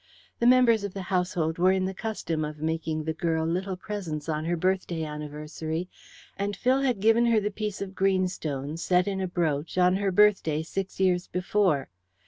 The members of the household were in the custom of making the girl little presents on her birthday anniversary, and Phil had given her the piece of greenstone, set in a brooch, on her birthday six years before.